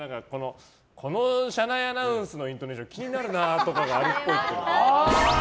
この車内アナウンスのイントネーション気になるなとかあるっぽい。